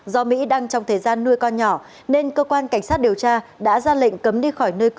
do mỹ đang trong thời gian nuôi con nhỏ nên cơ quan cảnh sát điều tra đã ra lệnh cấm đi khỏi nơi cư trú đối với mỹ